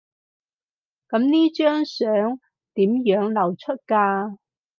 噉呢張相點樣流出㗎？